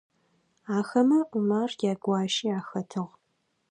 Ахэмэ Умар ягуащи ахэтыгъ.